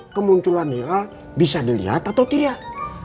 kemunculan hilal bisa dilihat atau tidak